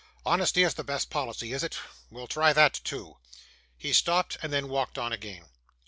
"Honesty is the best policy," is it? We'll try that too.' He stopped, and then walked on again.